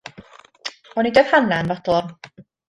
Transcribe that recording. Ond nid oedd Hannah yn fodlon.